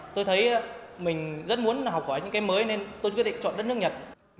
tôi thấy mình rất muốn học hỏi những cái mới nên tôi quyết định chọn đất nước nhật